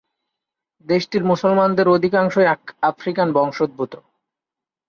দেশটির মুসলমানদের অধিকাংশই আফ্রিকান বংশোদ্ভূত।